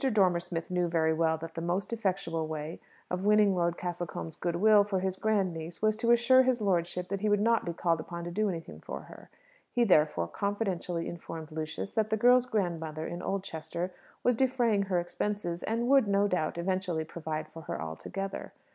Dormer Smith knew very well that the most effectual way of winning Lord Castlecombe's goodwill for his grand niece was to assure his lordship that he would not be called upon to do anything for her. He, therefore, confidentially informed Lucius that the girl's grandmother in Oldchester was defraying her expenses, and would, no doubt, eventually provide for her altogether.